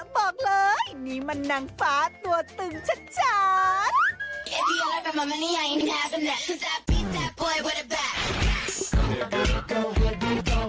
บอกเลยนี่มันนางฟ้าตัวตึงชัด